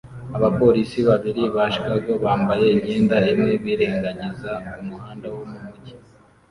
Abapolisi babiri ba Chicago bambaye imyenda imwe birengagiza umuhanda wo mu mujyi